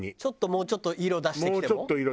もうちょっと色出して。